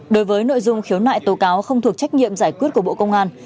đối với nội dung khiếu nại tố cáo không thuộc trách nhiệm giải quyết của bộ công an